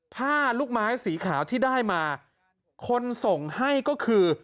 ผ้าลูกไม้สีขาวที่ได้มาคนส่งให้ก็คือ